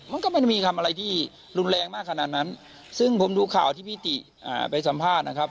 มันก็ไม่ได้มีคำอะไรที่รุนแรงมากขนาดนั้นซึ่งผมดูข่าวที่พี่ติไปสัมภาษณ์นะครับ